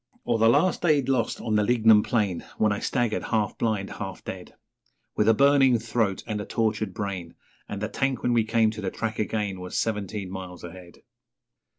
Or the last day lost on the lignum plain, When I staggered, half blind, half dead, With a burning throat and a tortured brain; And the tank when we came to the track again Was seventeen miles ahead.